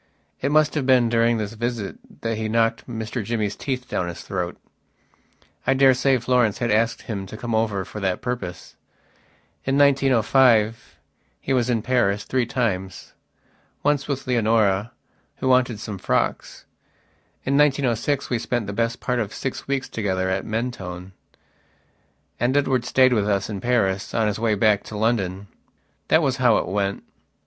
It must have been during this visit that he knocked Mr Jimmy's teeth down his throat. I daresay Florence had asked him to come over for that purpose. In 1905 he was in Paris three timesonce with Leonora, who wanted some frocks. In 1906 we spent the best part of six weeks together at Mentone, and Edward stayed with us in Paris on his way back to London. That was how it went.